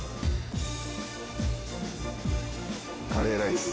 カレーライス。